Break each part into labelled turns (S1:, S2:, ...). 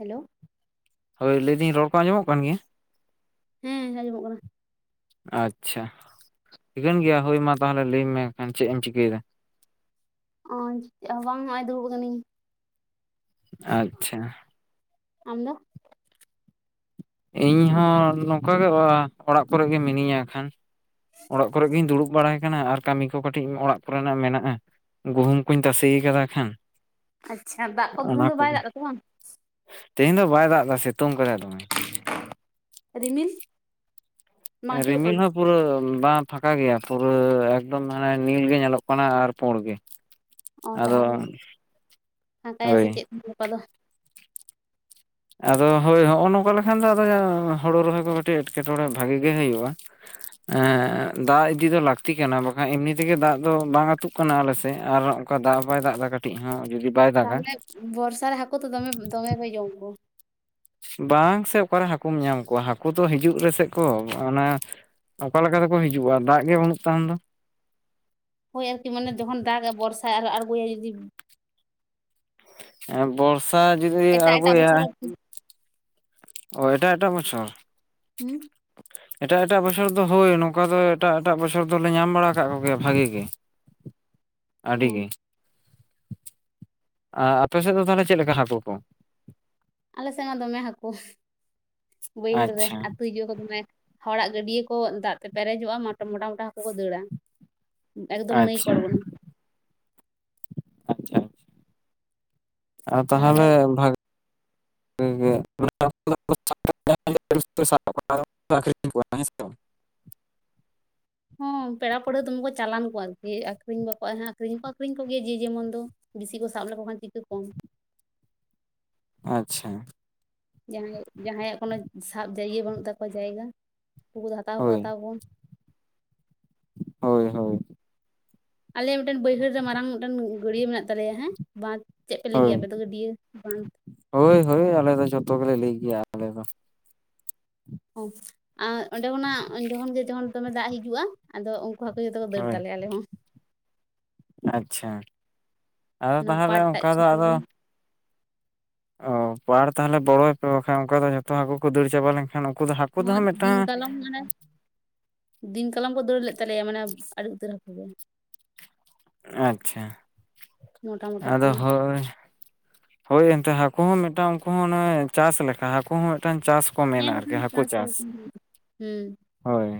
S1: Hello.
S2: ᱦᱳᱭ, ᱞᱟᱹᱭᱫᱟᱹᱧ ᱨᱚᱲ ᱠᱚ ᱟᱸᱡᱚᱢᱚᱜ ᱠᱟᱱ ᱜᱮᱭᱟ?
S1: ᱦᱮᱸ, ᱟᱸᱡᱚᱢᱚᱜ ᱠᱟᱱᱟ ᱾
S2: ᱟᱪ-ᱪᱷᱟ, ᱴᱷᱤᱠᱟᱹᱱ ᱜᱮᱭᱟ ᱦᱳᱭ ᱢᱟ ᱛᱟᱦᱚᱞᱮ ᱞᱟᱹᱭ ᱢᱮ ᱠᱷᱟᱱ ᱪᱮᱜ ᱮᱢ ᱪᱤᱠᱟᱹᱭᱮᱫᱟ?
S1: ᱚᱸᱪ, ᱪᱮᱫ ᱦᱚᱸ ᱵᱟᱝ ᱦᱚᱸᱜ-ᱚᱸᱭ ᱫᱩᱲᱩᱵ ᱟᱠᱟᱹᱱᱟᱧ ᱾
S2: ᱟᱪ-ᱪᱷᱟ ᱾
S1: ᱟᱢ ᱫᱚ?
S2: ᱤᱧ ᱦᱚᱸ ᱱᱚᱝᱠᱟ ᱜᱮ ᱚ-ᱟᱜ ᱚᱲᱟᱜ ᱠᱚᱨᱮ ᱜᱮ ᱢᱤᱱᱟᱹᱧᱟ ᱦᱟᱸᱠᱷᱟᱱ ᱾ ᱚᱲᱟᱜ ᱠᱚᱨᱮ ᱜᱤᱧ ᱫᱩᱲᱩᱵ ᱵᱟᱲᱟᱭ ᱠᱟᱱᱟ ᱟᱨ ᱠᱟᱹᱢᱤ ᱠᱚ ᱠᱟᱹᱴᱤᱡ ᱚᱲᱟᱜ ᱠᱚᱨᱮᱱᱟᱜ ᱢᱮᱱᱟᱜᱼᱟ ᱜᱩᱦᱩᱢ ᱠᱩᱧ ᱛᱟᱥᱮᱹ ᱟᱠᱟᱫᱟ ᱠᱷᱟᱱ
S1: ᱟᱪ-ᱪᱷᱟ, ᱫᱟᱜ ᱠᱚᱫᱚ ᱫᱤᱱ ᱫᱚ ᱵᱟᱭ ᱫᱟᱜ ᱫᱟ ᱛᱚ ᱵᱟᱝ?
S2: ᱛᱮᱹᱦᱮᱹᱧ ᱫᱚ ᱵᱟᱭ ᱫᱟᱜ ᱟᱠᱟᱫᱟ ᱥᱮᱹᱛᱳᱝ ᱠᱟᱫᱟᱭ ᱫᱚᱢᱮ ᱾
S1: ᱨᱤᱢᱤᱞᱥ ᱾
S2: ᱨᱤᱢᱤᱞ ᱦᱚᱸᱵᱷ ᱯᱩᱨᱟᱹ ᱵᱟᱝ ᱯᱷᱟᱸᱠᱟ ᱜᱮᱭᱟ ᱯᱩᱨᱟᱹ ᱮᱠᱫᱚᱢ ᱦᱟᱱᱮ ᱱᱤᱞ ᱜᱮ ᱧᱮᱞᱚᱜ ᱠᱟᱱᱟ ᱟᱨ ᱯᱳᱸᱲ ᱜᱮ ᱾
S1: ᱚ ᱛᱟᱦᱞᱮ ᱯᱷᱟᱸᱠᱟᱭᱟ
S2: ᱦᱳᱭ
S1: ᱥᱮ ᱪᱮᱫ ᱜᱟᱯᱟ ᱫᱚ?
S2: ᱟᱫᱚ ᱦᱳᱭ ᱱᱚᱜᱼᱚ ᱱᱚᱝᱠᱟ ᱞᱮᱠᱷᱟᱱ ᱫᱚ ᱟᱫᱚ ᱦᱳᱲᱳ ᱨᱚᱦᱚᱭ ᱠᱚ ᱠᱟᱹᱴᱤᱡ ᱮᱴᱠᱮᱴᱚᱸᱬᱮ ᱵᱷᱟᱜᱮᱹ ᱜᱮ ᱦᱳᱭᱳᱜᱼᱟ ᱾ ᱮᱜᱻ ᱫᱟᱜ ᱤᱫᱤ ᱫᱚ ᱞᱟᱹᱠᱛᱤ ᱠᱟᱱᱟ ᱵᱟᱠᱷᱟᱡ ᱮᱢᱱᱤ ᱛᱮᱜᱮ ᱫᱟᱜ ᱫᱚ ᱵᱟᱝ ᱟᱹᱛᱩᱜ ᱠᱚᱱᱚ ᱟᱞᱮᱥᱮᱜ ᱟᱨ ᱚᱱᱠᱟ ᱫᱟᱜ ᱦᱚᱸ ᱵᱟᱭ ᱫᱟᱜ ᱫᱟ ᱠᱟᱹᱴᱤᱡ ᱦᱚᱸ ᱡᱩᱫᱤ ᱵᱟᱭ ᱫᱟᱜᱟ
S1: ᱛᱟᱦᱚᱞᱮ ᱵᱚᱨᱥᱟ ᱨᱮ ᱦᱟᱹᱠᱳ ᱛᱚ ᱫᱚᱢᱮ ᱫᱚᱢᱮ ᱯᱮ ᱡᱚᱢ ᱠᱚᱣᱟ?
S2: ᱵᱟᱝ ᱥᱮ ᱚᱠᱟᱨᱮ ᱦᱟᱹᱠᱳᱢ ᱧᱟᱢ ᱠᱚᱣᱟ ᱦᱟᱹᱠᱳ ᱫᱚ ᱦᱤᱡᱩᱜ ᱨᱮᱥᱮᱜ ᱠᱚ ᱚᱱᱟ, ᱚᱠᱟ ᱞᱮᱠᱟ ᱛᱮᱠᱚ ᱦᱤᱡᱩᱜᱼᱟ ᱫᱟᱜ ᱜᱮ ᱵᱟᱹᱱᱩᱜ ᱛᱟᱢ ᱫᱚ᱾
S1: ᱦᱳᱭ ᱟᱨᱠᱤ ᱢᱟᱱᱮ ᱡᱚᱠᱷᱚᱱ ᱫᱟᱜ ᱵᱚᱨᱥᱟ ᱟᱨᱦᱚ ᱟᱬᱜᱚᱭᱟᱭ ᱡᱩᱫᱤ?
S2: ᱮᱸ ᱵᱚᱨᱥᱟ ᱡᱩᱫᱤ
S1: ᱮᱴᱟᱜ ᱮᱴᱟᱜ ᱵᱚᱪᱷᱚᱨ
S2: ᱟᱬᱜᱚᱭᱟᱭ,
S1: ᱟᱨᱠᱤ
S2: ᱚ ᱮᱴᱟᱜ ᱮᱴᱟᱜ ᱵᱚᱪᱷᱚᱨ?
S1: ᱦᱩᱸ
S2: ᱮᱴᱟᱜ ᱮᱴᱟᱜ ᱵᱚᱪᱷᱚᱨ ᱫᱚ ᱦᱳᱭ ᱱᱚᱝᱠᱟ ᱫᱚ ᱮᱴᱟᱜ ᱮᱴᱟᱜ ᱵᱚᱪᱷᱚᱨ ᱫᱚᱞᱮ ᱧᱟᱢ ᱵᱟᱲᱟ ᱟᱠᱟᱜ ᱠᱚᱜᱮᱭᱟ ᱵᱷᱟᱜᱮ ᱜᱮ᱾
S1: [inaudible] ᱚ
S2: ᱟᱹᱰᱤ ᱜᱮ ᱟ ᱟᱯᱮ ᱥᱮᱫ ᱫᱚ ᱛᱟᱦᱚᱞᱮ ᱪᱮᱫ ᱞᱮᱠᱟ ᱦᱟᱹᱠᱳ ᱠᱚ?
S1: ᱟᱞᱮ ᱥᱮᱱᱦᱚ ᱫᱚᱢᱮ ᱦᱟᱹᱠᱳ ᱵᱟᱹᱭᱦᱟᱹᱲ ᱨᱮ
S2: ᱟᱪᱪᱷᱟ
S1: ᱟᱹᱛᱩ ᱦᱤᱡᱩᱜ ᱟᱠᱚ ᱫᱚᱢᱮ᱾ ᱦᱚᱲᱟᱜ ᱜᱟᱹᱰᱭᱟᱹ ᱠᱚ ᱫᱟᱜ ᱛᱮ ᱯᱮᱨᱮᱡᱚᱜᱼᱟ ᱢᱟᱴ ᱢᱚᱴᱟ ᱢᱚᱴᱟ ᱦᱟᱹᱠᱳ ᱠᱚ ᱫᱟᱹᱲᱟ᱾ ᱮᱠᱫᱚᱢ ᱱᱟᱹᱭ ᱠᱚ
S2: ᱟᱪᱪᱷᱟ
S1: ᱟᱬᱜᱚᱱᱟ
S2: ᱟᱪᱷᱟ [inaudible] ᱟ
S1: ᱛᱟᱦᱚᱞᱮ
S2: ᱛᱟᱦᱟᱞᱮ [inaudible] ᱜᱮ [inaudible] [inaudible]
S1: ᱦᱚ ᱯᱮᱲᱟ ᱯᱟᱹᱲᱦᱟᱹ ᱫᱚᱢᱮ ᱠᱚ ᱪᱟᱞᱟᱱ ᱠᱚᱣᱟ ᱟᱨᱠᱤ ᱟᱠᱷᱨᱤᱧ ᱵᱟᱠᱚ ᱦᱟᱮ ᱟᱠᱷᱨᱤᱧ ᱦᱚᱸᱠᱚ ᱟᱠᱷᱨᱤᱧ ᱠᱚ ᱜᱮᱭᱟ ᱡᱮ ᱡᱮᱢᱚᱱ ᱫᱚ᱾ ᱵᱤᱥᱤ ᱠᱚ ᱥᱟᱵ ᱞᱮᱠᱚ ᱠᱷᱟᱱ ᱪᱤᱠᱟᱹ ᱠᱚᱣᱟᱢ᱾
S2: ᱟᱪᱪᱷᱟ,
S1: ᱡᱟᱦᱟᱸᱭ ᱡᱟᱦᱟᱸᱭᱟᱜ ᱠᱩᱱᱟᱹ ᱥᱟᱵ ᱡᱟᱹᱭᱜᱮ ᱵᱟᱹᱱᱩᱜ ᱛᱟᱠᱚᱣᱟ ᱡᱟᱭᱜᱟ ᱩᱱᱠᱩ ᱫᱚ ᱦᱟᱛᱟᱣ ᱦᱠᱚ
S2: ᱦᱳᱭ
S1: ᱦᱟᱛᱟᱣ ᱠᱚᱣᱟ᱾
S2: ᱦᱳᱭ ᱦᱳᱭ,
S1: ᱟᱞᱮᱭᱟᱜ ᱢᱤᱫᱴᱮᱱ ᱵᱟᱹᱭᱦᱟᱹᱲ ᱨᱮ ᱢᱟᱨᱟᱝ ᱢᱤᱫᱴᱮᱱ ᱜᱟᱹᱰᱭᱟᱹ ᱢᱮᱱᱟᱜ ᱛᱟᱞᱮᱭᱟ ᱦᱮᱸ ᱵᱟᱸᱫᱷᱽ᱾ ᱪᱮᱜ ᱯᱮ ᱞᱟᱹᱜᱤᱭᱟ
S2: ᱦᱳᱭ
S1: ᱟᱯᱮ ᱫᱚ ᱜᱟᱹᱰᱤᱭᱟᱹ ᱵᱟᱸᱫᱷᱽ?
S2: ᱦᱳᱭ ᱦᱳᱭ ᱟᱞᱮ ᱫᱚ ᱡᱷᱚᱛᱚ ᱜᱮᱞᱮ ᱞᱟᱹᱭ ᱜᱮᱭᱟ ᱟᱞᱮ ᱫᱚ᱾
S1: ᱝ ᱟ ᱚᱸᱰᱮ ᱠᱷᱚᱱᱟᱜ ᱡᱚᱠᱷᱚᱱ ᱜᱮ ᱡᱚᱠᱷᱚᱱ ᱫᱚᱢᱮ ᱫᱟᱜ ᱦᱤᱡᱩᱜᱼᱟ᱾ ᱟᱫᱚ ᱩᱱᱠᱩ ᱦᱟᱹᱠᱩ ᱡᱚᱛᱚ ᱠᱚ ᱫᱟᱹᱲ
S2: ᱦᱳᱭ
S1: ᱛᱟᱞᱮ ᱟᱞᱮ ᱦᱚᱸ᱾
S2: ᱟᱪᱪᱷᱟ ᱟᱫᱚ
S1: ᱚᱱᱟ
S2: ᱛᱟᱦᱟᱞᱮ
S1: ᱯᱟᱴ ᱴᱟᱜ
S2: ᱚᱱᱠᱟ ᱫᱚ
S1: ᱡᱷᱚᱛᱚ
S2: ᱟᱫᱚ,
S1: ᱜᱮ
S2: ᱚ ᱯᱟᱲ ᱛᱟᱦᱟᱞᱮ ᱵᱚᱲᱚᱭ ᱯᱮ ᱵᱟᱠᱷᱟᱱ ᱚᱸᱠᱟ ᱫᱚ ᱡᱷᱚᱛᱚ ᱦᱟᱹᱠᱳ ᱠᱚ ᱫᱟᱹᱲ ᱪᱟᱵᱟ ᱞᱮᱱᱠᱷᱟᱱ ᱩᱱᱠᱩ ᱫᱚ ᱦᱟᱠ
S1: [unintelligible] ᱫᱤᱱ ᱠᱟᱞᱚᱢ ᱢᱟᱱᱮ, ᱫᱤᱱ ᱠᱟᱞᱢ ᱠᱚ ᱫᱟᱹᱲ ᱞᱮᱫ ᱛᱟᱞᱮᱭᱟ ᱢᱟᱱᱮ ᱟᱹᱰᱤ ᱩᱛᱟᱹᱨ ᱦᱟᱹᱠᱩ ᱜᱮ᱾
S2: ᱟᱪᱪᱷᱟ
S1: ᱢᱚᱴᱟ ᱢᱚᱴᱟ
S2: ᱟᱫᱚ
S1: ᱠᱚ
S2: ᱦᱳᱭ, ᱦᱳᱭ ᱮᱱᱛᱮ ᱦᱟᱹᱠᱳ ᱦᱚᱸ ᱢᱤᱫᱴᱟᱝ ᱩᱱᱠᱩ ᱦᱚᱸ ᱚᱱᱮ ᱪᱟᱥ ᱞᱮᱠᱟ ᱦᱟᱹᱠᱳ ᱦᱚᱸ ᱢᱤᱫᱴᱟᱝ ᱪᱟᱥ᱾ ᱠᱚ
S1: ᱦᱮᱸ
S2: ᱢᱮᱱᱟ ᱟᱨᱠᱤ
S1: ᱵᱟᱠᱷᱟᱱ
S2: ᱦᱟᱹᱠᱳ ᱪᱟᱥ
S1: ᱞᱮᱠᱷᱟᱱ ᱦᱩᱸ
S2: ᱦᱳᱭ᱾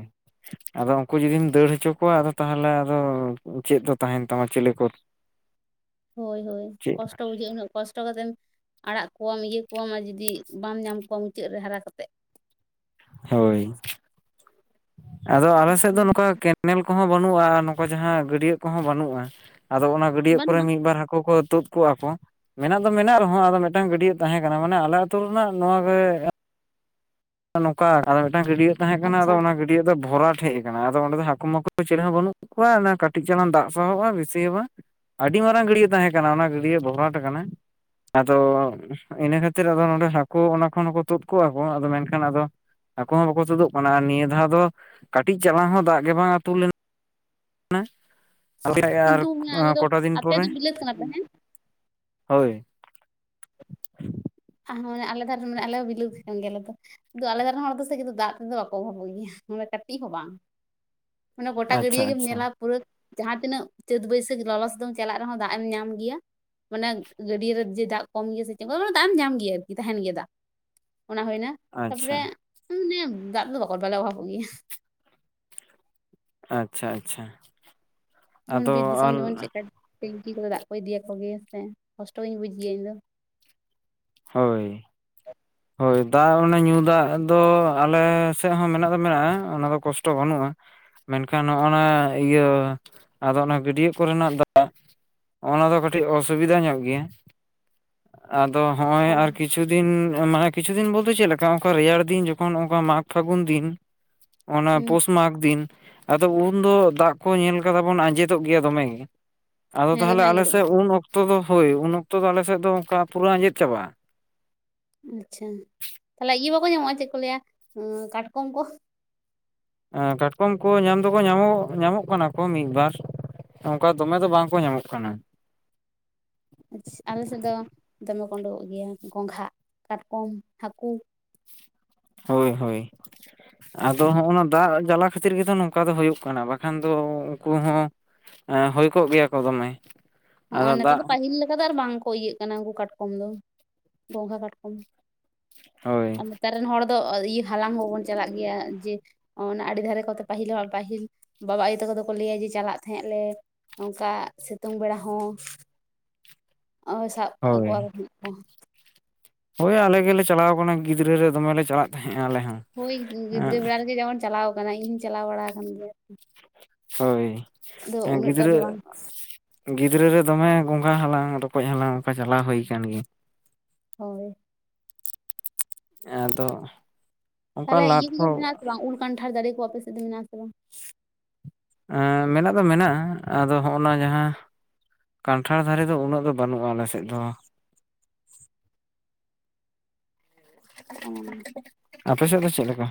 S2: ᱟᱫᱚ ᱩᱱᱠᱩ ᱡᱩᱫᱤᱢ ᱫᱟᱹᱲ ᱦᱚᱪᱚ ᱠᱚᱣᱟ ᱟᱫᱚ ᱛᱟᱦᱟᱞᱮ ᱟᱫᱚ ᱪᱮᱫ ᱫᱚ ᱛᱟᱦᱮᱱ ᱛᱟᱢᱟ ᱪᱮᱞᱮ ᱠᱚᱨ
S1: ᱦᱳᱭ ᱦᱳᱭ ᱠᱚᱥᱴᱚ ᱵᱩᱡᱷᱟᱹᱜᱼᱟ ᱩᱱᱟᱹᱜ, ᱠᱚᱥᱴᱚ ᱠᱟᱛᱮᱢ ᱟᱲᱟᱜ ᱠᱚᱣᱟᱢ ᱤᱭᱟᱹ ᱠᱚᱣᱟᱢ ᱟᱨ ᱡᱩᱫᱤ ᱵᱟᱢ ᱧᱟᱢ ᱠᱚᱣᱟ ᱢᱩᱪᱟᱹᱫ ᱨᱮ ᱦᱟᱨᱟ ᱠᱟᱛᱮᱫ᱾
S2: ᱦᱳᱭ ᱟᱫᱚ ᱟᱞᱮ
S1: ᱠᱚᱥᱴᱚ
S2: ᱥᱮᱫ ᱫᱚ
S1: ᱵᱩᱡᱷᱟᱹᱜ
S2: ᱱᱚᱝᱠᱟ ᱠᱮ ᱱᱮᱞ ᱠᱚᱦᱚᱸ ᱵᱟᱹᱱᱩᱜᱼᱟ ᱟᱨ ᱱᱚᱝᱠᱟ ᱡᱟᱦᱟᱸ ᱜᱟᱹᱰᱭᱟᱹ ᱠᱚᱦᱚᱸ ᱵᱟᱹᱱᱩᱜᱼᱟ ᱟᱫᱚ ᱚᱱᱟ, ᱜᱟᱹᱰᱭᱟᱹ
S1: ᱵᱟᱹᱱᱩᱜᱼᱟ
S2: ᱠᱚᱨᱮᱜ ᱢᱤᱫ ᱵᱟᱨ ᱦᱟᱹᱠᱳ ᱠᱚ ᱛᱩᱫ ᱠᱚᱜᱼᱟ ᱠᱚ ᱢᱮᱱᱟᱜ ᱫᱚ ᱢᱮᱱᱟᱜ ᱨᱮᱦᱚᱸ ᱟᱫᱚ ᱢᱤᱫᱴᱟᱝ ᱜᱟᱹᱰᱭᱟᱹ ᱛᱟᱦᱮᱸ ᱠᱟᱱᱟ ᱢᱟᱱᱮ ᱟᱞᱮ ᱟᱹᱛᱩᱳ ᱨᱮᱱᱟᱜ ᱱᱚᱣᱟᱜᱮ ᱱᱚᱝᱠᱟ ᱟᱫᱚ ᱢᱤᱫᱴᱟᱝ ᱜᱟᱹᱰᱟᱜ ᱛᱟᱦᱮᱸ ᱠᱟᱱᱟ ᱟᱫᱚ
S1: ᱟᱪᱪᱷᱟ
S2: ᱚᱱᱟ ᱜᱟᱹᱰ ᱜᱟᱰᱤᱭᱟᱹᱜ ᱫᱚ ᱵᱷᱚᱨᱟᱴ ᱦᱮᱡ ᱟᱠᱟᱱᱟ ᱟᱫᱚ ᱚᱸᱰᱮ ᱫᱚ ᱦᱟᱹᱠᱩ ᱢᱟᱠᱩ [inaudible] ᱪᱮᱞᱮ ᱦᱚᱸ ᱵᱟᱹᱱᱩᱜ ᱠᱚᱣᱟ ᱚᱱᱮ ᱠᱟᱹᱴᱤᱡ ᱪᱟᱞᱟᱝ ᱫᱟᱜ ᱥᱟᱦᱚᱵᱼᱟ ᱵᱤᱥᱤ ᱦᱚᱸ ᱵᱟᱝ᱾ ᱟᱹᱰᱤ ᱢᱟᱨᱟᱝ ᱜᱟᱹᱰᱭᱟᱹ ᱛᱟᱦᱮᱸ ᱠᱟᱱᱟ ᱚᱱᱟ ᱜᱟᱹᱰᱭᱟᱹ ᱵᱷᱚᱨᱟᱴ ᱠᱟᱱᱟ᱾ ᱟᱫᱚ ᱤᱱᱟᱹ ᱠᱷᱟᱹᱛᱤᱨ ᱟᱫᱚ ᱱᱚᱰᱮ ᱦᱟᱹᱠᱳ ᱚᱱᱟ ᱠᱷᱚᱱ ᱦᱚᱠᱚ ᱛᱩᱫ ᱠᱚᱣᱟ ᱠᱚ ᱟᱫᱚ ᱢᱮᱱ ᱠᱷᱟᱱ ᱟᱫᱚ ᱟᱠᱳ ᱦᱚ ᱵᱟᱠᱚ ᱛᱳᱫᱳᱜ ᱠᱟᱱᱟ ᱱᱤᱭᱟᱹ ᱫᱷᱟᱣ ᱫᱚ ᱠᱟᱹᱴᱤᱡ ᱪᱟᱞᱟᱝ ᱦᱚᱸ ᱫᱟᱜ ᱜᱮ ᱵᱟᱝ ᱟᱹᱛᱩ ᱞᱮᱱ
S1: ᱠᱤᱱᱛᱩ ᱟᱞᱮ
S2: [unintelligible]
S1: ᱫᱚ
S2: ᱠᱚᱴᱟ ᱫᱤᱱ
S1: ᱟᱯᱮ
S2: ᱯᱚᱨᱮᱼᱼ
S1: ᱫᱚ ᱵᱤᱞᱟᱹᱛ ᱠᱟᱱᱟ ᱯᱮ ᱦᱮᱸ
S2: ᱦᱳᱭ
S1: [unintelligible] ᱠᱤᱱᱛᱩ ᱟᱞᱮ ᱫᱷᱟᱨᱮ ᱨᱮᱱ ᱦᱚᱲ ᱫᱚ ᱥᱮ [unintelligible] ᱠᱤᱱᱛᱩ ᱫᱟᱜ ᱛᱮᱫᱚ ᱵᱟᱠᱚ ᱚᱵᱷᱟᱵᱚᱜ ᱜᱮᱭᱟ ᱢᱟᱱᱮ ᱠᱟᱹᱴᱤᱡ ᱦᱚᱸ ᱵᱟᱝ ᱢᱟᱱᱮ ᱜᱚᱴᱟ
S2: ᱟᱪᱪᱷᱟ
S1: ᱜᱟᱹᱰᱭᱟᱹ ᱜᱮᱢ
S2: ᱟᱪᱪᱷᱟ
S1: ᱧᱮᱞᱟ ᱯᱩᱨᱟᱹ ᱡᱟᱦᱟᱸ ᱛᱤᱱᱟᱹᱜ ᱪᱟᱹᱛ ᱵᱟᱹᱭᱥᱟᱹᱠᱷ ᱞᱚᱞᱚ ᱥᱤᱛᱩᱝ ᱪᱟᱞᱟᱜ ᱨᱮᱦᱚᱸ ᱫᱟᱜ ᱮᱢ ᱧᱟᱢ ᱜᱮᱭᱟ ᱢᱟᱱᱮ ᱜᱟᱹᱰᱤᱭᱟ ᱨᱮ ᱡᱮ ᱫᱟᱜ ᱠᱚᱢ ᱜᱮᱭᱟ ᱥᱮ ᱪᱮᱫ [unintelligible] ᱫᱟᱜ ᱮᱢ ᱧᱟᱢ ᱜᱮᱭᱟ ᱟᱨᱠᱤ ᱛᱟᱦᱮᱱ ᱜᱮᱭᱟ ᱫᱟᱜ ᱚᱱᱟ ᱦᱩᱭᱱᱟ
S2: ᱟᱪᱪᱷᱟ
S1: ᱛᱟᱯᱚᱨᱮᱼᱼ [unintelligible] ᱚᱵᱷᱟᱵᱚᱜ ᱜᱮᱭᱟ
S2: ᱟᱪᱪᱷᱟ ᱟᱪᱪᱷᱟ
S1: ᱡᱮᱢᱚᱱ
S2: ᱟᱫᱚ
S1: ᱵᱤᱨ
S2: ᱟᱨ
S1: ᱫᱤᱥᱚᱢ ᱡᱮᱢᱚᱱ ᱪᱮᱫᱠᱟ ᱴᱮᱝᱠᱤ ᱠᱚᱫᱚ ᱫᱟᱜ ᱠᱚ ᱤᱫᱤᱭ ᱟᱠᱚ ᱜᱮᱭᱟ ᱥᱮ ᱠᱚᱥᱴᱚ ᱜᱤᱧ ᱵᱩᱡ ᱜᱮᱭᱟ ᱤᱧ ᱫᱚᱼᱼ
S2: ᱦᱳᱭ ᱦᱳᱭ ᱫᱟᱜ ᱚᱱᱮ ᱧᱩ ᱫᱟᱜ ᱫᱚ ᱟᱞᱮ ᱥᱮᱫ ᱦᱚᱸ ᱢᱮᱱᱟᱜ ᱫᱚ ᱢᱮᱱᱟᱜᱼᱟ ᱚᱱᱟ ᱫᱚ ᱠᱚᱥᱴᱚ ᱵᱟᱹᱱᱩᱜᱼᱟ ᱢᱮᱱ ᱠᱷᱟᱱ ᱱᱚᱜᱼ ᱱᱟ ᱤᱭᱟᱹ ᱟᱫᱚ ᱚᱱᱟ ᱜᱟᱹᱰᱭᱟᱹ ᱠᱚ ᱨᱮᱱᱟᱜ ᱫᱟᱜᱼᱼ ᱚᱱᱟ ᱫᱚ ᱠᱟᱹᱴᱤᱡ ᱚᱥᱩᱵᱤᱫᱟ ᱧᱚᱜ ᱜᱮᱭᱟ ᱟᱫᱚ ᱦᱚᱸᱜᱼᱚᱭ
S1: ᱚ
S2: ᱟᱨ ᱠᱤᱪᱷᱩ ᱫᱤᱱᱼᱼ ᱢᱟᱱᱮ ᱠᱤᱪᱷᱩ ᱫᱤᱱ ᱵᱚᱞᱛᱮ ᱪᱮᱫ ᱞᱮᱠᱟ ᱚᱱᱠᱟ ᱨᱮᱭᱟᱲ ᱫᱤᱱ ᱡᱚᱠᱷᱚᱱ ᱚᱱᱠᱟ ᱢᱟᱜᱽ ᱯᱷᱟᱹᱜᱩᱱ ᱫᱤᱱᱼᱼ ᱚᱱᱟ
S1: ᱦᱩᱸ
S2: ᱯᱳᱥ ᱢᱟᱜᱽ ᱫᱤᱱ ᱟᱫᱚ ᱩᱱ ᱫᱚ ᱫᱟᱜ ᱠᱚ ᱧᱮᱞ ᱠᱟᱫᱟ ᱵᱚᱱ ᱟᱸᱡᱮᱫᱚᱜ ᱜᱮᱭᱟ ᱫᱚᱢᱮ ᱜᱮ ᱟᱫᱚ
S1: ᱦᱮᱸ ᱫᱚᱢᱮ
S2: ᱛᱟᱦᱚᱞᱮ ᱟᱞᱮ
S1: ᱟᱸᱡᱮᱫᱚᱜ
S2: ᱥᱮᱫ ᱩᱱ ᱚᱠᱛᱚ ᱫᱚ ᱦᱳᱭ ᱩᱱ ᱚᱠᱛᱚ ᱫᱚ ᱟᱞᱮ ᱥᱮᱫ ᱫᱚ ᱚᱱᱠᱟ ᱯᱩᱨᱟᱹ ᱟᱸᱡᱮᱫ ᱪᱟᱵᱟᱜᱼᱟ
S1: ᱟᱪᱪᱷᱟ ᱛᱟᱦᱚᱞᱮ ᱤᱭᱟᱹ ᱵᱟᱠᱚ ᱧᱟᱢᱚᱜᱼᱟ ᱪᱮᱫ ᱠᱚ ᱞᱟᱹᱭᱟ ᱠᱟᱴᱠᱚᱢ ᱠᱚ
S2: ᱮᱸ ᱠᱟᱴᱠᱚᱢ ᱠᱚ ᱧᱟᱢ ᱫᱚᱠᱚ [unintelligible] ᱧᱟᱢᱚᱜ ᱠᱟᱱᱟ ᱠᱚ ᱢᱤᱫ ᱵᱟᱨ ᱚᱱᱠᱟ ᱫᱚᱢᱮ ᱫᱚ ᱵᱟᱝ ᱠᱚ ᱧᱟᱢᱚᱜ ᱠᱟᱱᱟ
S1: ᱟᱞᱮ ᱥᱮᱫ ᱫᱚ ᱫᱚᱢᱮ ᱠᱚ ᱩᱰᱩᱠᱚᱜ ᱜᱮᱭᱟ ᱜᱚᱝᱜᱷᱟ ᱠᱟᱴᱠᱚᱢ ᱦᱟᱹᱠᱩ
S2: ᱦᱳᱭ ᱦᱳᱭ ᱟᱫᱚ ᱦᱚᱸᱜᱱᱟ ᱫᱟᱜ ᱡᱟᱞᱟ ᱠᱷᱟᱹᱛᱤᱨ ᱜᱮᱛᱚ ᱱᱚᱝᱠᱟ ᱫᱚ ᱦᱩᱭᱩᱜ ᱠᱟᱱᱟ ᱵᱟᱠᱷᱟᱱ ᱫᱚ ᱩᱱᱠᱩ ᱦᱚᱸᱼᱼ ᱦᱩᱭ ᱠᱚᱜ ᱜᱮᱭᱟ ᱠᱚ ᱫᱚᱢᱮ ᱾
S1: ᱦᱚᱸᱜᱼᱚᱭ ᱱᱮᱛᱟᱨ ᱫᱚ ᱯᱟᱹᱦᱤᱞ ᱞᱮᱠᱟ ᱫᱚ ᱟᱨ ᱵᱟᱝ ᱠᱚ ᱤᱭᱟᱹᱜ ᱠᱟᱱᱟ ᱩᱱᱠᱩ ᱠᱟᱴᱠᱚᱢ ᱫᱚ ᱜᱚᱸᱜᱷᱟ ᱠᱟᱴᱠᱚᱢ ᱾
S2: ᱦᱳᱭ
S1: ᱟᱨ ᱱᱮᱛᱟᱨ ᱨᱮᱱ ᱦᱚᱲ ᱫᱚ ᱤᱭᱟᱹ ᱦᱟᱞᱟᱝ ᱦᱚᱸ ᱵᱚᱱ ᱪᱟᱞᱟᱜ ᱜᱮᱭᱟ ᱡᱮ ᱚᱱᱟ ᱟᱹᱰᱤ ᱫᱷᱟᱨᱮ ᱠᱚᱛᱮ ᱯᱟᱹᱦᱤᱞ ᱦᱚᱲ, ᱯᱟᱹᱦᱤᱞ ᱵᱟᱵᱟ ᱟᱭᱳ ᱛᱟᱠᱚ ᱫᱚᱠᱚ ᱞᱟᱹᱭᱟ ᱡᱮ ᱪᱟᱞᱟᱜ ᱛᱟᱦᱮᱸᱜ ᱞᱮ ᱾ ᱚᱝᱠᱟ ᱥᱤᱛᱩᱝ ᱵᱮᱲᱟ ᱦᱚᱸ, ᱳᱭ ᱥᱟᱵ
S2: ᱦᱳᱭ
S1: ᱠᱚᱣᱟ [unintelligible]
S2: ᱦᱳᱭ ᱟᱞᱮ ᱜᱮᱞᱮ ᱪᱟᱞᱟᱣ ᱠᱟᱱᱟ ᱜᱤᱫᱽᱨᱟᱹ ᱨᱮ ᱫᱚᱢᱮ ᱞᱮ ᱪᱟᱞᱟᱜ ᱛᱟᱦᱮᱸᱜᱼᱟ ᱟᱞᱮ ᱦᱚᱸ᱾
S1: ᱦᱳᱭ ᱜᱤᱫᱽᱨᱟᱹ
S2: ᱮᱸᱜ
S1: ᱵᱮᱲᱟ ᱨᱮᱜᱮ ᱡᱟ ᱵᱚᱱ ᱪᱟᱞᱟᱣ ᱠᱟᱱᱟ ᱤᱧ ᱦᱚᱸᱧ ᱪᱟᱞᱟᱣ ᱵᱟᱲᱟ ᱠᱟᱱ ᱜᱮᱭᱟ
S2: ᱦᱳᱭ
S1: ᱟᱫᱚ ᱩᱱᱟᱹᱜ ᱴᱟᱜ
S2: ᱜᱤᱫᱽᱨᱟᱹ
S1: ᱫᱚ ᱵᱟᱝ ᱾
S2: ᱜᱤᱫᱽᱨᱟᱹ ᱨᱮ ᱫᱚᱢᱮ ᱜᱚᱸᱜᱟ ᱦᱟᱞᱟᱝ ᱨᱚᱠᱚᱡ ᱦᱟᱞᱟᱝ ᱚᱱᱠᱟ ᱪᱟᱞᱟᱣ ᱦᱩᱭ ᱟᱠᱟᱱ ᱜᱮᱭᱟ ᱾
S1: ᱦᱳᱭ ᱾
S2: ᱟᱫᱚ ᱚᱱᱠᱟ
S1: ᱛᱟᱦᱚᱞᱮ ᱤᱭᱟᱹ
S2: ᱞᱟᱫ
S1: ᱠᱚᱫᱚ
S2: ᱠᱚ
S1: ᱢᱮᱱᱟᱜ ᱟᱥᱮ ᱵᱟᱝ ᱩᱞ ᱠᱟᱱᱴᱷᱟᱲ ᱫᱟᱨᱮ ᱠᱚ ᱟᱯᱮ ᱥᱮᱫ ᱫᱚ ᱢᱮᱱᱟᱜᱼᱟ ᱟᱥᱮ ᱵᱟᱝ?
S2: ᱟᱸ ᱢᱮᱱᱟᱜ ᱫᱚ ᱢᱮᱱᱟᱜᱼᱟ ᱟᱫᱚ ᱦᱚᱸᱜᱼᱚ ᱱᱟ ᱡᱟᱦᱟᱸ ᱠᱟᱱᱴᱷᱟᱲ ᱫᱷᱟᱨᱮ ᱫᱚ ᱩᱱᱟᱹᱜ ᱫᱚ ᱵᱟᱹᱱᱩᱜᱼᱟ ᱟᱞᱮ ᱥᱮᱫ ᱫᱚ ᱾
S1: [inaudible]
S2: [inaudible]
S1: ᱚᱸ ᱾
S2: ᱟᱯᱮ ᱥᱮᱫ ᱫᱚ ᱪᱮᱫ ᱞᱮᱠᱟ?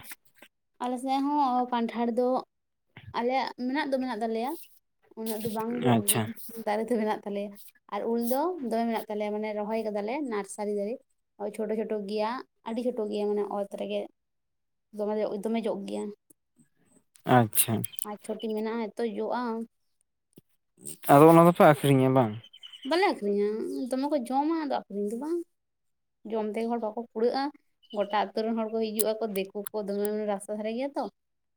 S1: ᱟᱞᱮ ᱥᱮᱫ ᱦᱚᱸ ᱠᱟᱱᱴᱷᱟᱲ ᱫᱚ ᱟᱞᱮᱭᱟᱜ ᱢᱮᱱᱟᱜ ᱫᱚ ᱢᱮᱱᱟᱜ ᱛᱟᱞᱮᱭᱟ ᱩᱱᱟᱹᱜ ᱫᱚ ᱵᱟᱝ ᱡᱚᱜ
S2: ᱟᱪᱪᱷᱟ
S1: ᱜᱮᱭᱟ ᱾ ᱫᱟᱨᱮ ᱫᱚ ᱢᱮᱱᱟᱜ ᱛᱟᱞᱮᱭᱟ, ᱟᱨ ᱩᱞ ᱫᱚ ᱫᱚᱢᱮ ᱢᱮᱱᱟᱜ ᱛᱟᱞᱮᱭᱟ ᱢᱟᱱᱮ ᱨᱚᱦᱚᱭ ᱠᱟᱫᱟᱞᱮ ᱱᱟᱨᱥᱟᱨᱤ ᱫᱟᱨᱮ ᱾ ᱪᱷᱳᱴᱳ ᱪᱷᱳᱴᱳ ᱜᱮᱭᱟ᱾ ᱟᱹᱰᱤ ᱪᱷᱳᱴᱳ ᱜᱮᱭᱟ᱾ ᱢᱟᱱᱮ ᱚᱛ ᱨᱮᱜᱮ ᱫᱚᱢᱮ ᱫᱚᱢᱮ ᱡᱚᱜ ᱜᱮᱭᱟ᱾
S2: ᱟᱪᱪᱷᱟ᱾
S1: ᱯᱟᱪ ᱪᱷᱳᱴᱤ ᱢᱮᱱᱟᱜᱼᱟ, ᱮᱛᱚ ᱡᱚᱜᱼᱟ ᱾
S2: ᱟᱫᱚ ᱚᱱᱟ ᱫᱚᱯᱮ ᱟᱹᱠᱷᱚᱨᱤᱧᱟ ᱵᱟᱝ?
S1: ᱵᱟᱞᱮ ᱟᱹᱠᱷᱨᱤᱧᱼᱟ, ᱫᱚᱢᱮ ᱠᱚ ᱡᱚᱢᱟ᱾ ᱟᱫᱚ ᱟᱹᱠᱷᱨᱤᱧᱟ ᱫᱚ ᱵᱟᱝ, ᱡᱚᱢ ᱛᱮᱜᱮ ᱦᱚᱲ ᱵᱟᱠᱚ ᱠᱩᱲᱟᱹᱣᱼᱟ ᱾ ᱜᱚᱴᱟ ᱟᱹᱛᱩ ᱨᱮᱱ ᱦᱚᱲ ᱠᱚ ᱦᱤᱡᱩᱜ ᱟᱠᱚ᱾ ᱫᱤᱠᱩ ᱠᱚ ᱫᱚᱢᱮ ᱢᱟᱱᱮ ᱨᱟᱥᱛᱟ ᱫᱷᱟᱨᱮ ᱜᱮᱭᱟ ᱛᱚ᱾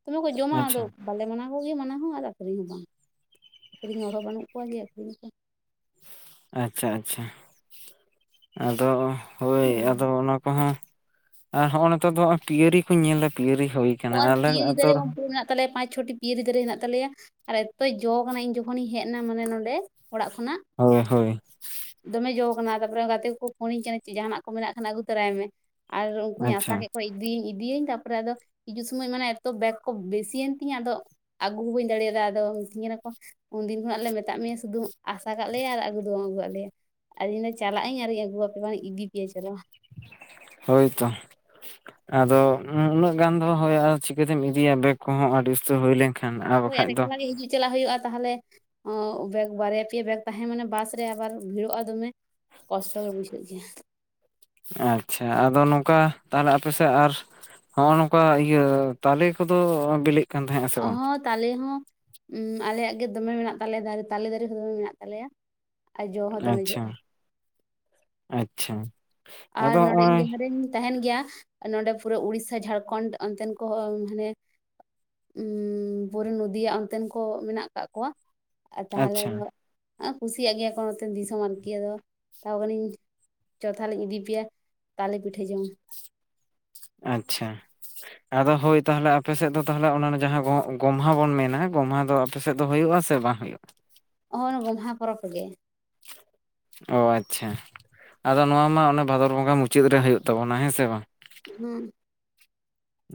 S1: ᱫᱚᱢᱮ ᱠᱚ ᱡᱚᱢᱟ᱾ ᱟᱫᱚ
S2: ᱟᱪᱪᱷᱟ
S1: ᱵᱟᱞᱮ ᱢᱟᱱᱟ ᱠᱚ ᱜᱮᱭᱟ, ᱢᱟᱱᱟ ᱦᱚᱸ, ᱟᱨ ᱟᱹᱠᱷᱨᱤᱧ ᱦᱚᱸ ᱵᱟᱝ ᱟᱹᱠᱷᱨᱤᱧ ᱦᱚᱲ ᱦᱚᱸ ᱵᱟᱹᱱᱩᱜ ᱠᱚᱣᱟ, ᱡᱮ ᱟᱹᱠᱷᱨᱤᱧ ᱟᱠᱚ ᱾
S2: ᱟᱪᱪᱷᱟ, ᱟᱪᱪᱷᱟ, ᱟᱫᱚ ᱦᱳᱭ
S1: ᱡᱚᱢ
S2: ᱟᱫᱚ ᱚᱱᱟ ᱠᱚᱦᱚᱸ ᱟᱨ ᱦᱚᱭᱼᱚᱭ ᱱᱤᱛᱟᱨ ᱫᱚ ᱯᱤᱭᱟᱹᱨᱤ ᱠᱩᱧ ᱧᱮᱞ ᱮᱫᱟ, ᱯᱤᱭᱟᱹᱨᱤ ᱦᱩᱭ
S1: ᱚ
S2: ᱠᱟᱱᱟ
S1: ᱟᱨ
S2: ᱟᱞᱮ
S1: ᱯᱤᱭᱟᱹᱨᱤ
S2: ᱟᱛᱳ
S1: ᱫᱟᱨᱮ ᱦᱚᱸ
S2: ᱨᱮᱦᱚᱸ
S1: ᱯᱩᱨᱟᱹ ᱢᱮᱱᱟᱜ ᱛᱟᱞᱮᱭᱟ᱾ ᱯᱟᱸᱪ-ᱪᱷᱚᱴᱤ ᱯᱤᱭᱟᱹᱨᱤ ᱫᱟᱨᱮ ᱢᱮᱱᱟᱜ ᱛᱟᱞᱮᱭᱟ᱾ ᱟᱨ ᱮᱛᱚ ᱡᱚ ᱠᱟᱱᱟ᱾ ᱤᱧ ᱡᱚᱠᱷᱚᱱᱤᱧ ᱦᱮᱡ ᱮᱱᱟ ᱢᱟᱱᱮ ᱱᱚᱸᱰᱮ, ᱚᱲᱟᱜ ᱠᱷᱚᱱᱟᱜ
S2: ᱦᱳᱭ, ᱦᱳᱭ ᱾
S1: ᱫᱚᱢᱮ ᱡᱚ ᱠᱟᱱᱟ᱾ ᱛᱟᱨᱯᱚᱨᱮ ᱜᱟᱹᱛᱮ ᱠᱚ ᱯᱷᱳᱱᱤᱧ ᱠᱟᱱᱟ ᱪᱮ ᱡᱟᱦᱟᱱᱟᱜ ᱠᱚ ᱢᱮᱱᱟᱜ ᱠᱷᱟᱱ ᱟᱹᱜᱩ ᱛᱚᱨᱟᱭ ᱢᱮ᱾ ᱟᱨ ᱩᱱᱠᱩ ᱦᱚᱸᱧ ᱟᱥᱟ
S2: ᱟᱪᱪᱷᱟ
S1: ᱠᱮᱫ ᱠᱚᱣᱟ ᱤᱫᱤᱭᱟᱹᱧ ᱤᱫᱤᱭᱤᱹᱧ ᱛᱟᱨᱯᱚᱨᱮ ᱟᱫᱚ ᱦᱤᱡᱩᱜ ᱥᱚᱢᱚᱭ ᱢᱟᱱᱮ ᱮᱛᱚ ᱵᱮᱜᱽ ᱠᱚ ᱵᱮᱥᱤᱭᱮᱱ ᱛᱤᱧᱟᱹ, ᱟᱫᱚ ᱟᱹᱜᱩ ᱦᱚᱸ ᱵᱟᱹᱧ ᱫᱟᱲᱮᱭᱟ ᱮᱫᱟ᱾ ᱟᱫᱚ ᱢᱤᱛᱟᱹᱧ ᱠᱟᱱᱟ ᱠᱚ ᱩᱱ ᱫᱤᱱ ᱠᱷᱚᱱᱟᱜ ᱞᱮ ᱢᱮᱛᱟᱫ ᱢᱮᱭᱟ ᱥᱩᱫᱩᱢ ᱟᱹᱥᱟ ᱠᱟᱜ ᱞᱮᱭᱟ ᱟᱨ ᱟᱹᱜᱩ ᱫᱚ ᱵᱟᱝ ᱟᱹᱜᱩᱣᱟᱫ ᱞᱮᱭᱟ ᱾ ᱟᱫᱚ ᱤᱧ ᱫᱚ ᱪᱟᱞᱟᱜ ᱟᱹᱧ ᱟᱨᱤᱧ ᱟᱹᱜᱩᱣᱟᱯᱮ ᱵᱟᱝ, ᱤᱫᱤ ᱯᱮᱭᱟ ᱪᱚᱞᱚ
S2: ᱦᱳᱭ, ᱛᱚ ᱾ ᱟᱫᱚ ᱩᱱᱟᱹᱜ ᱜᱟᱱ ᱫᱚ ᱦᱳᱭ ᱪᱤᱠᱟᱹᱛᱮᱢ ᱤᱫᱤᱭᱟ, ᱵᱮᱜᱽ ᱠᱚᱦᱚᱸ ᱟᱹᱰᱤ ᱩᱥᱛᱟᱹ ᱦᱩᱭ ᱞᱮᱱ
S1: ᱦᱳᱭ ᱟᱨ ᱮᱠᱞᱟᱹ ᱜᱮ ᱦᱤᱡᱩᱜ ᱪᱟᱞᱟᱜ ᱦᱩᱭᱩᱜᱼᱟ, ᱛᱟᱦᱞᱮ ᱵᱮᱜᱽ ᱵᱟᱨᱭᱟ ᱯᱮᱭᱟ ᱵᱮᱜᱽ ᱛᱟᱦᱮᱸ ᱢᱟᱱᱮ ᱵᱟᱥ ᱨᱮ ᱟᱵᱟᱨ ᱵᱷᱤᱲᱚᱜᱼᱟ, ᱫᱚᱢᱮ ᱾ ᱠᱚᱥᱴᱚ ᱜᱮ ᱵᱩᱡᱷᱟᱹᱣ ᱜᱮᱭᱟ ᱾
S2: ᱟᱪᱪᱷᱟ, ᱟᱫᱚ ᱱᱚᱝᱠᱟ ᱛᱟᱦᱞᱮ ᱟᱯᱮ ᱥᱮᱫ ᱟᱨ ᱱᱚᱜᱼᱚᱭ ᱱᱚᱝᱠᱟ ᱤᱭᱟᱹ ᱛᱟᱞᱮ ᱠᱚᱫᱚ ᱵᱤᱞᱤᱜ ᱠᱟᱱ ᱛᱟᱦᱮᱸᱜᱼᱟ ᱥᱮ
S1: ᱚ
S2: ᱵᱟᱝ?
S1: ᱦᱚᱸ ᱛᱟᱞᱮ ᱦᱚᱸ ᱟᱞᱮᱭᱟᱜ ᱜᱮ ᱫᱚᱢᱮ ᱢᱮᱱᱟᱜ ᱛᱟᱞᱮᱭᱟ, ᱛᱟᱞᱮ ᱫᱟᱨᱮ ᱦᱚᱸ ᱫᱚᱢᱮ ᱢᱮᱱᱟᱜ ᱛᱟᱞᱮᱭᱟ ᱾
S2: ᱟᱻᱪᱪᱷᱟ, ᱟᱻᱪᱪᱷᱟ ᱾
S1: ᱟᱨ ᱱᱚᱸᱰᱮ ᱤᱧ ᱡᱟᱦᱟᱸ ᱨᱮᱧ ᱛᱟᱦᱮᱱ ᱜᱮᱭᱟ᱾ ᱱᱚᱸᱰᱮ ᱯᱩᱨᱟᱹ ᱩᱰᱤᱥᱟ, ᱡᱷᱟᱹᱲᱠᱷᱚᱸᱰ ᱚᱱᱛᱮᱱ ᱠᱚᱦᱚᱸ ᱢᱟᱱᱮ ᱩᱸ ᱯᱩᱨᱟᱹ ᱱᱚᱫᱤᱭᱟ ᱚᱱᱛᱮᱱ ᱠᱚ ᱢᱮᱱᱟᱜ ᱠᱟᱜ ᱠᱚᱣᱟ᱾ ᱛᱟᱦᱞᱮ ᱫᱚ
S2: ᱟᱪᱪᱷᱟ
S1: ᱟᱨ ᱠᱩᱥᱤᱭᱟᱜ ᱜᱮᱭᱟ, ᱠᱤᱱ ᱱᱚᱛᱮ ᱫᱤᱥᱚᱢ ᱢᱟᱱᱠᱤ ᱢᱮᱛᱟᱣ ᱠᱚᱣᱟ ᱤᱧ ᱡᱚᱛᱷᱟ ᱞᱤᱧ ᱫᱤᱥᱤ ᱯᱮᱭᱟ, ᱛᱟᱞᱮ ᱯᱤᱴᱟᱹ ᱡᱚᱢ᱾
S2: ᱟᱪᱪᱷᱟ᱾ ᱟᱫᱚ ᱦᱳᱭ ᱛᱟᱦᱚᱞᱮ ᱟᱯᱮ ᱥᱮᱫ ᱫᱚ ᱛᱟᱦᱞᱮ ᱚᱱᱟ ᱡᱟᱦᱟᱸ ᱜᱚᱢᱦᱟ ᱵᱚᱱ ᱢᱮᱱᱟ, ᱜᱚᱢᱦᱟ ᱫᱚ ᱟᱯᱮᱥᱮᱫ ᱫᱚ ᱦᱩᱭᱩᱜᱼᱟ ᱥᱮ ᱵᱟᱝ ᱦᱩᱭᱩᱜᱼᱟ?
S1: ᱦᱚᱜᱼᱚᱭ ᱜᱚᱢᱦᱟ ᱯᱚᱨᱚᱵᱽ ᱨᱮᱜᱮ᱾
S2: ᱚ ᱟᱪᱪᱷᱟ, ᱟᱫᱚ ᱱᱚᱣᱟ ᱢᱟ ᱚᱱᱮ ᱵᱷᱟᱫᱚᱨ ᱵᱚᱸᱜᱟ ᱢᱩᱪᱟᱹᱫ ᱨᱮ ᱦᱩᱭᱩᱜ ᱛᱟᱵᱚᱱᱟ ᱦᱮᱸ ᱥᱮ ᱵᱟᱝ?
S1: ᱦᱩᱸ᱾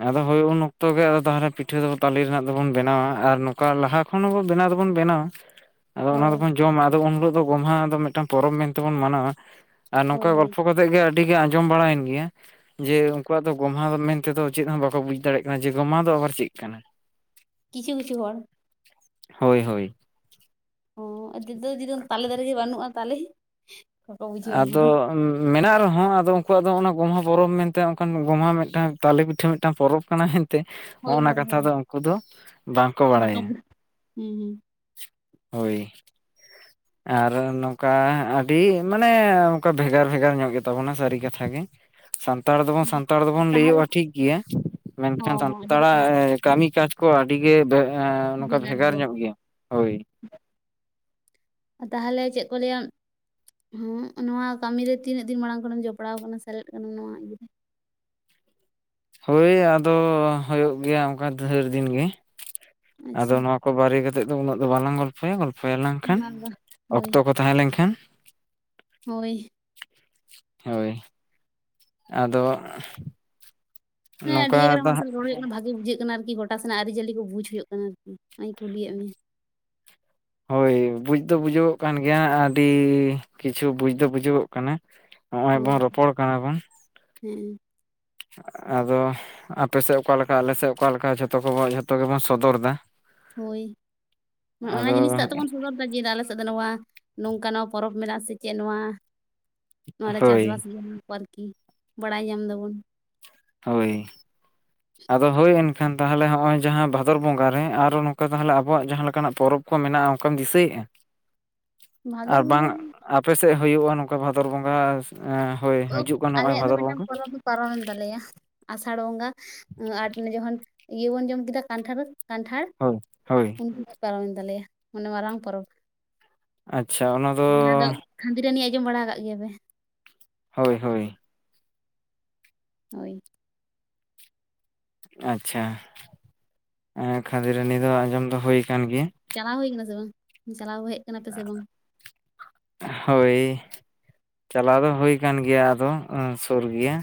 S2: ᱟᱫᱚ ᱦᱳᱭ ᱩᱱ ᱚᱠᱛᱚ ᱜᱮᱫᱚ ᱛᱟᱞᱮ ᱯᱤᱴᱷᱟᱹ ᱫᱚ ᱛᱟᱞᱮ ᱨᱮᱱᱟᱜ ᱫᱚᱵᱚᱱ ᱵᱮᱱᱟᱣᱟ ᱟᱨ ᱱᱚᱝᱠᱟ ᱞᱟᱦᱟ ᱠᱷᱚᱱ ᱦᱚᱸᱵᱚ ᱵᱮᱱᱟᱣ ᱫᱚᱵᱚᱱ ᱵᱮᱱᱟᱣᱟ᱾ ᱟᱫᱚ ᱚᱱᱟ
S1: ᱦᱳᱭ
S2: ᱫᱚᱵᱚᱱ ᱡᱚᱢᱟ, ᱟᱫᱚ ᱩᱱ ᱦᱤᱞᱳ ᱫᱚ ᱜᱚᱢᱦᱟ ᱫᱚ ᱢᱤᱫᱴᱟᱝ ᱯᱚᱨᱚᱵᱽ ᱢᱮᱱᱛᱮ ᱵᱚᱱ ᱢᱟᱱᱟᱣᱟ ᱟᱨ
S1: ᱦᱳᱭ
S2: ᱱᱚᱝᱠᱟ
S1: ᱦᱳᱭ
S2: ᱜᱚᱞᱯᱚ ᱠᱟᱛᱮ ᱜᱮ ᱟᱹᱰᱤ ᱜᱮ ᱟᱸᱡᱚᱢ ᱵᱟᱲᱟᱭᱮᱱ ᱜᱮᱭᱟ ᱡᱮ ᱩᱱᱠᱩᱣᱟᱜ ᱫᱚ ᱜᱚᱢᱦᱟ ᱫᱚ ᱛᱮᱫᱚ ᱪᱮᱫ ᱦᱚᱸ ᱵᱟᱠᱚ ᱵᱩᱡᱽ ᱫᱟᱲᱮᱭᱟᱜ ᱠᱟᱱᱟ ᱡᱮ ᱜᱚᱢᱟ ᱫᱚ ᱟᱵᱟᱨ ᱪᱮᱫ ᱠᱟᱱᱟ?
S1: ᱠᱤᱪᱷᱩ-ᱠᱤᱪᱷᱩ ᱦᱚᱲ᱾
S2: ᱦᱳᱭ, ᱦᱳᱭ᱾
S1: ᱚ ᱡᱩᱫᱟᱹ ᱡᱩᱫᱟᱹ ᱛᱟᱞᱮ ᱫᱟᱨᱮ ᱜᱮ ᱵᱟᱹᱱᱩᱜᱼᱟ, ᱛᱟᱦᱞᱮ?
S2: ᱟ ᱫᱚ ᱢᱮᱱᱟᱜ ᱨᱮᱦᱚᱸ ᱟᱫᱚ ᱩᱱᱠᱩᱣᱟᱜ ᱫᱚ ᱚᱱᱟ ᱜᱚᱢᱦᱟ ᱯᱚᱨᱚᱵᱽ ᱢᱮᱱᱛᱮ ᱚᱱᱠᱟᱱ ᱜᱚᱢᱦᱟ ᱢᱤᱫᱴᱟᱝ ᱛᱟᱞᱮ ᱯᱤᱴᱷᱟᱹ ᱢᱤᱫᱴᱟᱝ ᱯᱚᱨᱚᱵᱽ ᱠᱟᱱᱟ ᱛᱮ
S1: ᱦᱳᱭ
S2: ᱦᱚᱸᱜᱼᱚ ᱱᱟ
S1: ᱦᱳᱭ
S2: ᱠᱟᱛᱷᱟ
S1: ᱦᱳᱭ
S2: ᱫᱚ ᱩᱱᱠᱩ ᱫᱚ ᱵᱟᱝᱠᱚ
S1: ᱵᱟᱠᱚ
S2: ᱵᱟᱲᱟᱭᱟ
S1: ᱵᱷᱩᱜ ᱦᱮᱸ ᱦᱮᱸ
S2: ᱦᱳᱭ ᱟᱨ ᱱᱚᱝᱠᱟ ᱟᱹᱰᱤ ᱢᱟᱱᱮ ᱚᱝᱠᱟ ᱵᱷᱮᱜᱟᱨ ᱵᱷᱮᱜᱟᱨ ᱧᱚᱜ ᱜᱮᱛᱟᱵᱚᱱᱟ ᱥᱟᱹᱨᱤ ᱠᱟᱛᱷᱟ ᱜᱮ ᱥᱟᱱᱛᱟᱲ ᱫᱚᱵᱚᱱ
S1: ᱦᱩᱸ
S2: ᱥᱟᱱᱛᱟᱲ ᱫᱚᱵᱚᱱ
S1: ᱛᱟᱦᱚᱞᱮ
S2: ᱞᱟᱹᱭᱟᱹᱜᱼᱟ ᱴᱷᱤᱠ ᱜᱮᱭᱟ ᱢᱮᱱᱠᱷᱟᱱ
S1: ᱦᱚᱸ ᱦᱚᱸ ᱟᱹᱰᱤ ᱨᱚᱠᱚᱢ
S2: ᱥᱟᱱᱛᱟᱲᱟᱜ ᱠᱟᱹᱢᱤ ᱠᱟᱡᱽ ᱠᱚ ᱟᱹᱰᱤᱜᱮ ᱵᱮ ᱱᱚᱝᱠᱟ ᱵᱷᱮᱜᱟᱨ ᱧᱚᱜ ᱜᱮᱭᱟ ᱦᱩᱭ
S1: ᱛᱟᱦᱞᱮ ᱪᱮᱫ ᱠᱚ ᱞᱟᱹᱭᱟ ᱦᱩᱸ ᱱᱚᱣᱟ ᱠᱟᱹᱢᱤ ᱨᱮ ᱛᱤᱱᱟᱹᱜ ᱫᱤᱱ ᱢᱟᱲᱟᱝ ᱠᱷᱚᱱᱮᱢ ᱡᱚᱯᱲᱟᱣ ᱟᱠᱟᱱᱟ ᱥᱮᱞᱮᱫ ᱠᱟᱱᱟᱢ ᱱᱚᱣᱟ ᱤᱭᱟᱹ ᱨᱮ?
S2: ᱦᱳᱭ ᱟᱫᱚ ᱦᱩᱭᱩᱜ ᱜᱮᱭᱟ ᱚᱱᱠᱟ ᱰᱷᱮᱨ ᱫᱤᱱ ᱜᱮ ᱟᱫᱚ
S1: ᱟᱪᱪᱷᱟ
S2: ᱱᱚᱣᱟ ᱠᱚ ᱵᱟᱨᱮ ᱠᱟᱛᱮᱫ ᱫᱚ ᱩᱱᱟᱹᱜ ᱫᱚ ᱵᱟᱞᱟᱝ ᱜᱚᱞᱯᱚᱭᱟ ᱜᱚᱞᱯᱚ ᱭᱟᱞᱟᱝ ᱠᱷᱟᱱ
S1: ᱵᱟᱝ ᱵᱟᱝ ᱦᱳᱭ
S2: ᱚᱠᱛᱚ ᱠᱚ ᱛᱟᱦᱮᱸ ᱞᱮᱱᱠᱷᱟᱱ
S1: ᱦᱳᱭ
S2: ᱦᱳᱭ ᱟᱫᱚ
S1: ᱦᱮ ᱟᱹᱰᱤ
S2: ᱱᱚᱝᱠᱟ
S1: ᱡᱟᱜᱟ ᱨᱮ
S2: ᱫᱚ
S1: ᱦᱚᱲ ᱥᱮᱫ ᱨᱚᱲ ᱦᱩᱭᱩᱜ ᱠᱟᱱᱟ ᱵᱷᱟᱜᱤ ᱵᱩᱡᱷᱟᱹᱜ ᱠᱟᱱᱟ ᱟᱨᱠᱤ ᱜᱚᱴ ᱴᱟ ᱥᱮᱱᱟᱜ ᱟᱹᱨᱤᱪᱟᱹᱞᱤ ᱠᱚ ᱵᱩᱡᱽ ᱦᱩᱭᱩᱜ ᱠᱟᱱᱟ ᱟᱨᱠᱤ ᱚᱱᱟᱧ ᱠᱩᱞᱤᱭᱮᱫ ᱢᱮᱭᱟ
S2: ᱦᱳᱭ ᱵᱩᱡᱽ ᱫᱚ ᱵᱩᱡᱩᱜᱚᱜ ᱠᱟᱱ ᱜᱮᱭᱟ ᱟᱹᱰᱤ ᱠᱤᱪᱷᱩ ᱵᱩᱡᱽ ᱫᱚ ᱵᱩᱡᱩᱜᱚᱜ ᱠᱟᱱᱟ ᱱᱚᱜ ᱚᱭ
S1: ᱦᱳᱭ
S2: ᱵᱚᱱ ᱨᱚᱯᱚᱲ ᱠᱟᱱᱟ ᱵᱚᱱ
S1: ᱦᱮᱸ
S2: ᱟᱫᱚ ᱟᱯᱮᱥᱮᱫ ᱚᱠᱟᱞᱮᱠᱟ ᱟᱞᱮᱥᱮᱫ ᱚᱠᱟᱞᱮᱠᱟ ᱡᱷᱚᱛᱚ ᱠᱚ ᱡᱷᱚᱛᱚ ᱜᱮᱵᱚᱱ ᱥᱚᱫᱚᱨ ᱮᱫᱟ
S1: ᱦᱳᱭ ᱚᱱᱟ ᱡᱤᱱᱤᱥ
S2: ᱟᱫᱚ
S1: ᱴᱟᱜ ᱛᱮᱵᱚᱱ ᱥᱚᱫᱚᱨ ᱮᱫᱟ ᱡᱮ ᱟᱞᱮᱥᱮᱫ ᱫᱚ ᱱᱚᱣᱟ ᱱᱚᱝᱠᱟᱱᱟᱜ ᱯᱚᱨᱚᱵᱽ ᱢᱮᱱᱟᱜ ᱥᱮ ᱪᱮᱫ ᱱᱚᱣᱟ ᱱᱚᱣᱟᱞᱮ ᱪᱟᱥᱵᱟᱥ
S2: ᱦᱳᱭ
S1: ᱜᱮᱭᱟ ᱟᱨ ᱠᱤ ᱵᱟᱲᱟᱭ ᱧᱟᱢ ᱫᱟᱵᱚᱱ
S2: ᱦᱳᱭ ᱟᱫᱚ ᱦᱳᱭ ᱮᱱᱠᱷᱟᱱ ᱛᱟᱦᱚᱞᱮ ᱱᱚᱜᱼᱚᱭ ᱡᱟᱦᱟᱸ ᱵᱷᱟᱫᱚᱨ ᱵᱚᱸᱜᱟ ᱨᱮ ᱟᱨᱚ ᱱᱚᱝᱠᱟ ᱛᱟᱦᱚᱞᱮ ᱟᱵᱚᱣᱟᱜ ᱡᱟᱦᱟᱸ ᱞᱮᱠᱟᱱᱟᱜ ᱯᱚᱨᱚᱵᱽ ᱠᱚ ᱢᱮᱱᱟᱜᱼᱟ ᱚᱱᱠᱟᱢ ᱫᱤᱥᱟᱹᱭᱮᱼᱟ?
S1: ᱵᱷᱟᱫᱚᱨ
S2: ᱟᱨ ᱵᱟᱝ
S1: ᱵᱚᱸᱜᱟ
S2: ᱟᱯᱮ ᱥᱮᱫ ᱦᱩᱭᱩᱜᱼᱟ ᱱᱚᱝᱠᱟ ᱵᱷᱟᱫᱚᱨ ᱵᱚᱸᱜᱟ ᱮ ᱦᱳᱭ
S1: ᱫᱚ
S2: ᱦᱤᱡᱩᱜ ᱠᱟᱱ ᱱᱚᱜᱼᱚᱭ
S1: ᱟᱞᱮᱭᱟᱜ ᱫᱚ
S2: ᱵᱷᱟᱫᱚᱨ
S1: ᱢᱤᱫᱴᱟᱝ
S2: ᱵᱚᱸᱜᱟ
S1: ᱯᱚᱨᱚᱵᱽ ᱫᱚ ᱯᱟᱨᱚᱢᱮᱱ ᱛᱟᱞᱮᱭᱟ ᱟᱥᱟᱲ ᱵᱚᱸᱜᱟ ᱟᱨ ᱡᱚᱠᱷᱚᱱ ᱤᱭᱟᱹ ᱵᱚᱱ ᱡᱚᱢ ᱠᱮᱫᱟ ᱠᱟᱱᱴᱷᱟᱨ ᱠᱟᱱᱴᱷᱟᱲ
S2: ᱦᱳ ᱦᱳᱭ
S1: ᱩᱱ ᱯᱟᱨᱚᱢᱮᱱ ᱛᱟᱞᱮᱭᱟ ᱚᱱᱮ ᱢᱟᱨᱟᱝ ᱯᱚᱨᱚᱵᱽ᱾
S2: ᱟᱪᱪᱷᱟ ᱚᱱᱟᱫᱚ
S1: ᱠᱷᱟᱫᱤᱨᱟᱹᱱᱤ ᱟᱸᱡᱚᱢ ᱵᱟᱲᱟ ᱟᱠᱟᱜ ᱜᱮᱭᱟ ᱯᱮ?
S2: ᱦᱳᱭ ᱦᱳᱭ
S1: ᱦᱳᱭ
S2: ᱟᱪᱪᱷᱟ ᱮ ᱠᱷᱟᱹᱫᱤ ᱨᱟᱱᱤ ᱫᱚ ᱟᱸᱡᱚᱢ ᱫᱚ ᱦᱩ ᱟᱠᱟᱱ ᱜᱮᱭᱟ᱾
S1: ᱪᱟᱞᱟᱣ ᱦᱩᱭ ᱠᱟᱱᱟ ᱥᱮ ᱵᱟᱝ ᱪᱟᱞᱟᱣ ᱦᱮᱡ ᱠᱟᱱᱟ ᱯᱮ ᱥᱮ ᱵᱟᱝ?
S2: ᱦᱳᱭ ᱪᱟᱞᱟᱣ ᱫᱚ ᱦᱩᱭ ᱠᱟᱱ ᱜᱮᱭᱟ ᱟᱫᱚ ᱥᱩᱨ ᱜᱮᱭᱟ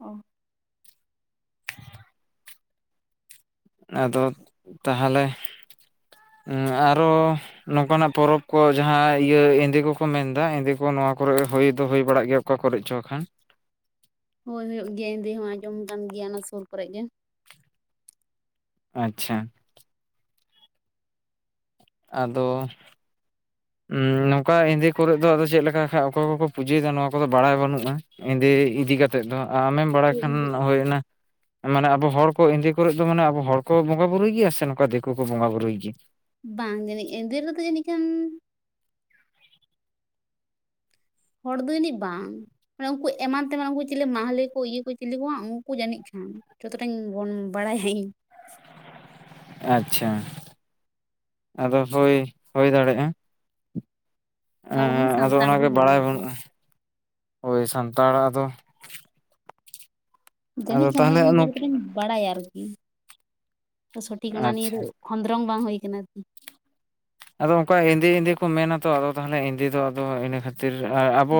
S1: ᱚ
S2: ᱟᱫᱚ ᱛᱟᱦᱚᱞᱮ ᱩᱸ ᱟᱨᱚ ᱱᱚᱝᱠᱟᱱᱟᱜ ᱯᱚᱨᱚᱵᱽ ᱠᱚ ᱡᱟᱦᱟᱸ ᱤᱭᱟᱹ ᱮᱸᱫᱮ ᱠᱚᱠᱚ ᱢᱮᱱᱫᱟ, ᱮᱸᱫᱮ ᱠᱚ ᱱᱚᱣᱟ ᱠᱚᱨᱮᱜ ᱦᱩᱭ ᱫᱚ ᱦᱩᱭ ᱵᱟᱲᱟᱜ ᱜᱮᱭᱟ᱾ ᱚᱠᱟ ᱠᱚᱨᱮᱫ ᱪᱚ [inaudible] ᱠᱷᱟᱱ᱾
S1: ᱦᱳᱭ ᱦᱳᱭᱳᱜ ᱜᱮᱭᱟ ᱮᱸᱫᱮ ᱦᱚᱸ ᱟᱸᱢᱚᱢ ᱠᱟᱱ ᱜᱮᱭᱟ ᱚᱱᱟ ᱥᱩᱨ ᱠᱚᱨᱮᱜ ᱜᱮ᱾
S2: ᱟᱪᱪᱷᱟ᱾ ᱟᱫᱚ ᱱᱚᱝᱠᱟ ᱮᱸᱫᱮ ᱠᱚᱨᱮᱫ ᱫᱚ ᱟᱫᱚ ᱪᱮᱫ ᱞᱮᱠᱟ ᱠᱷᱟᱡ ᱚᱠᱚᱭ ᱠᱚᱠᱚ ᱯᱩᱡᱟᱹᱭᱮᱫᱟ ᱱᱚᱣᱟ ᱠᱚᱫᱚ ᱵᱟᱲᱟᱭ ᱵᱟᱹᱱᱩᱜᱼᱟ᱾ ᱮᱸᱫᱮ ᱤᱫᱤ ᱠᱟᱛᱮᱫ ᱫᱚ ᱟᱢᱮᱢ ᱵᱟᱲᱟᱭ ᱠᱷᱟᱱ ᱦᱳᱭ ᱚᱱᱟ ᱢᱟᱱᱮ ᱟᱵᱚ ᱦᱚᱲ ᱠᱚ ᱮᱸᱫᱮ ᱠᱚᱨᱮᱜ ᱫᱚ ᱢᱟᱱᱮ ᱟᱵᱚ ᱦᱚᱲ ᱠᱚ ᱵᱚᱸᱜᱟ ᱵᱩᱨᱩᱭ ᱜᱮᱭᱟ ᱥᱮ ᱱᱚᱝᱠᱟ ᱫᱤᱠᱩ ᱠᱚ ᱵᱚᱸᱜᱟ ᱵᱩᱨᱩᱭ ᱜᱮᱭᱟ?
S1: ᱵᱟᱝ ᱡᱟᱱᱤᱡ ᱮᱸᱫᱮ ᱨᱮᱫᱚ ᱡᱟᱱᱤᱡ ᱠᱷᱟᱱ ᱦᱚᱲ ᱫᱚ ᱡᱟᱹᱱᱤᱡ ᱵᱟᱝ᱾ ᱢᱟᱱᱮ ᱩᱝᱠᱩ ᱮᱢᱟᱱ ᱛᱮᱢᱟᱱ ᱩᱝᱠᱩ ᱪᱮᱞᱮ ᱢᱟᱦᱞᱮ ᱠᱚ ᱤᱭᱟᱹ ᱠᱚ ᱪᱤᱞᱤ ᱠᱚ ᱵᱟᱝ ᱩᱝᱠᱩ ᱡᱟᱹᱱᱤᱡ ᱠᱷᱟᱱ᱾ ᱡᱚᱛᱚᱴᱟᱧ ᱵᱚᱱ ᱵᱟᱲᱟᱭᱟ ᱤᱧ᱾
S2: ᱟᱪᱪᱷᱟ᱾ ᱟᱫᱚ ᱦᱳᱭ, ᱦᱳᱭ ᱫᱟᱲᱮᱭᱟᱜᱼᱟ᱾ ᱮᱸ
S1: ᱟᱵᱚ ᱢᱟᱱᱮ
S2: ᱟᱫᱚ
S1: ᱥᱟᱱᱛᱟᱲ ᱫᱚ
S2: ᱚᱱᱟᱜᱮ
S1: ᱵᱟᱝ
S2: ᱵᱟᱲᱟᱭ ᱵᱟᱹᱱᱩᱜᱼᱟ ᱦᱳᱭ ᱥᱟᱱᱛᱟᱲᱟᱜ ᱫᱚ ᱟᱫᱚ
S1: ᱡᱟᱹᱱᱤᱡ ᱠᱷᱟᱱ
S2: ᱛᱟᱦᱚᱞᱮ ᱱᱩᱠ
S1: [inaudible] ᱵᱟᱲᱟᱭᱟ ᱟᱨᱠᱤ, ᱥᱚᱴᱷᱤᱠ ᱚᱱᱟ
S2: ᱟᱪᱪᱷᱟ
S1: ᱱᱤᱭᱮ ᱫᱚ ᱠᱷᱚᱸᱫᱨᱚᱝ ᱵᱟᱝ ᱦᱩᱭ ᱟᱠᱟᱱᱟ ᱟᱨᱠᱤ᱾
S2: ᱟᱫᱚ ᱚᱝᱠᱟ ᱮᱸᱫᱮ ᱮᱸᱫᱮ ᱠᱚ ᱢᱮᱱᱟ ᱛᱚ ᱟᱫᱚ, ᱛᱟᱦᱚᱞᱮ ᱮᱸᱫᱮ ᱫᱚ ᱟᱫᱚ ᱤᱱᱟᱹ ᱠᱷᱟᱹᱛᱤᱨ ᱟ ᱟᱵᱚ